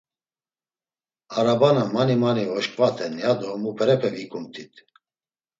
Arabana mani mani voşǩvaten, ya do muperepe vikumt̆it!